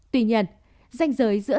tuy nhiên danh giới giữa